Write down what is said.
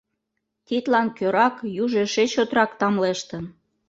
Тидлан кӧрак юж эше чотрак тамлештын.